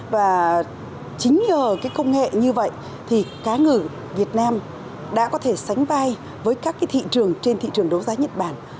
và chính nhờ cái công nghệ như vậy thì cá ngừ việt nam đã có thể sánh vai với các thị trường trên thị trường đấu giá nhật bản